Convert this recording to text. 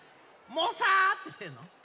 モサーってしてんの？